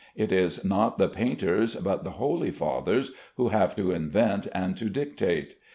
It is not the painters, but the holy fathers, who have to invent and to dictate.